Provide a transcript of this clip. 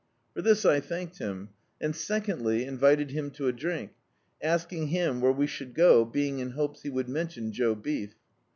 For this I thanked him, and secondly, invited him to a drink, asking him where we should go, being in hopes he would mention Joe Beef.